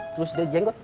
terus dia jenggot